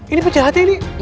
ini pejahatnya ini